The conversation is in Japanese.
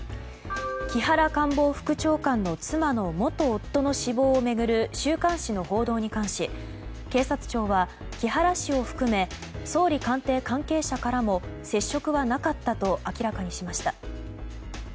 木原官房副長官の元夫の死亡を巡る週刊誌の報道に関し、警察庁は木原氏を含め総理官邸関係者からも接触はなかったと明らかにしました。